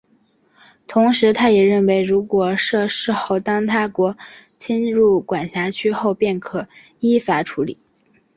同时他也认为如果设市后当他国侵入管辖区后便可依法处理。